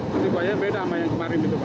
jadi buaya beda sama yang kemarin